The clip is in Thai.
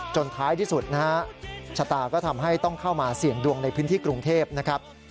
ท้ายที่สุดนะฮะชะตาก็ทำให้ต้องเข้ามาเสี่ยงดวงในพื้นที่กรุงเทพนะครับ